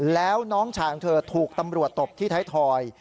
แล้วน้องชายของเธอถูกตำรวจตบที่ไทยทอย